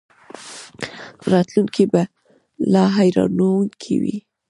راتلونکی به لا حیرانوونکی وي.